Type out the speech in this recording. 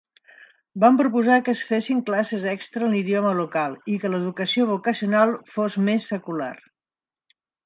Van proposar que es fessin classes extra en l'idioma local i que l'educació vocacional fos més secular.